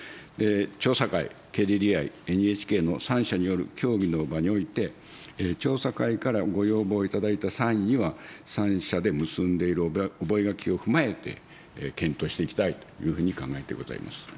調査会、ＫＤＤＩ、ＮＨＫの３者による協議の場において、調査会からご要望いただいた際には、３者で結んでいる覚書を踏まえて、検討していきたいというふうに考えてございます。